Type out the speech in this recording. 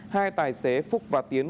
hai tài xế phúc và tiến